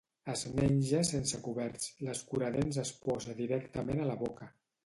Es menja sense coberts, l'escuradents es posa directament a la boca.